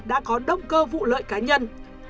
đã có động cơ vụ lợi cá nhân